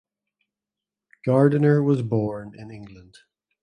Gardiner was born in England.